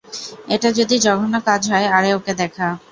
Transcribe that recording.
এটা যদি জঘন্য কাজ হয় আরে ওকে দেখা।